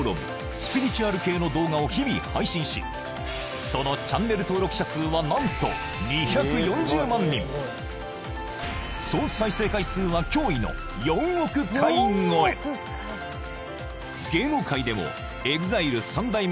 スピリチュアル系の動画を日々配信しそのチャンネル登録者数は何と２４０万人総再生回数は驚異の４億回超え芸能界でもＥＸＩＬＥ三代目